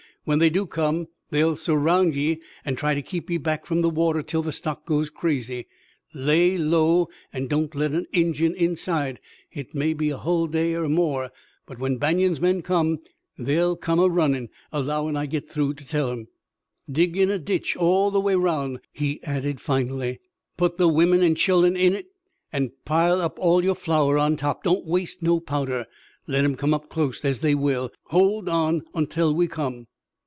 When they do come they'll surround ye an' try to keep ye back from the water till the stock goes crazy. Lay low an' don't let a Injun inside. Hit may be a hull day, er more, but when Banion's men come they'll come a runnin' allowin' I git through to tell 'em. "Dig in a trench all the way aroun'," he added finally. "Put the womern an' children in hit an' pile up all yer flour on top. Don't waste no powder let 'em come up clost as they will. Hold on ontel we come."